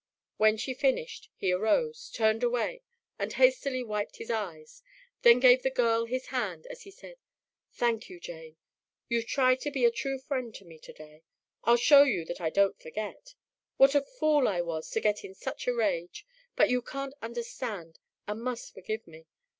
When she finished, he arose, turned away, and hastily wiped his eyes, then gave the girl his hand as he said, "Thank you, Jane. You've tried to be a true friend to me today. I'll show you that I don't forget. I was a fool to get in such a rage, but you can't understand and must forgive me.